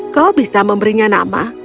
kau bisa memberinya nama